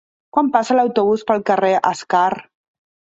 Quan passa l'autobús pel carrer Escar?